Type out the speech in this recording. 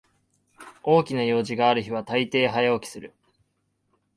大きな用事がある日はたいてい早起きする